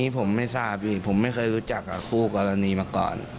ผมไม่ทราบอยู่ผมไม่เคยรู้จักกับคู่กรณีมาก่อน